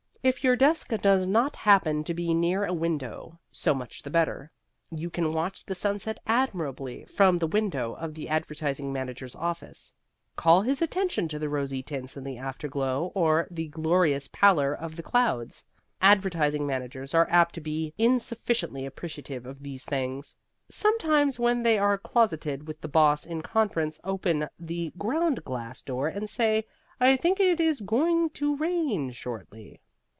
If your desk does not happen to be near a window, so much the better. You can watch the sunset admirably from the window of the advertising manager's office. Call his attention to the rosy tints in the afterglow or the glorious pallor of the clouds. Advertising managers are apt to be insufficiently appreciative of these things. Sometimes, when they are closeted with the Boss in conference, open the ground glass door and say, "I think it is going to rain shortly."